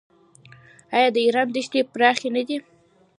آیا د ایران دښتې پراخې نه دي؟